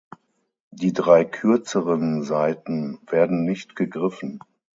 Die drei kürzeren Saiten werden nicht gegriffen.